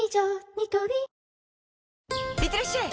ニトリいってらっしゃい！